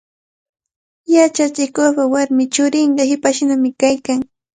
Yachachikuqpa warmi churinqa hipashnami kaykan.